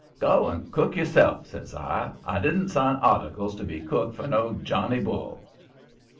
"'Go and cook yourself,' says I. 'I didn't sign articles to be cook for no Johnny Bull!'